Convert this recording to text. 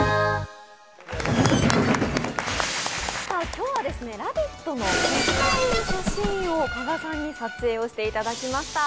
今日は「ラヴィット！」のポスター用の写真を加賀さんに撮影をしていただきました。